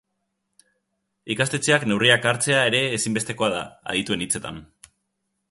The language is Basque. Ikastetxeak neurriak hartzea ere ezinbestekoa da, adituen hitzetan.